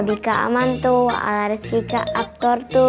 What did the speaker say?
skor nontonnya boleh nambah duit tuh